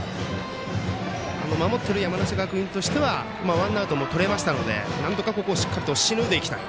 守ってる山梨学院としてはワンアウトもとれましたのでなんとかここをしのいでいきたい。